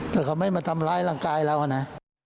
แต่เขาไม่มาทำร้ายร่างกายเรานะ